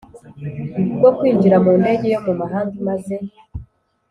Bwo kwinjira mu ndege yo mu mahanga imaze